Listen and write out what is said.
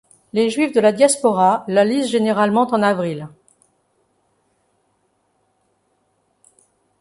Les Juifs de la Diaspora la lisent généralement en avril.